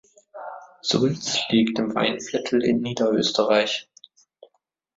Sulz liegt im Weinviertel in Niederösterreich.